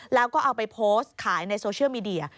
แล้วก็เอาไปโพสต์ขายในโซเชียลมีเดีย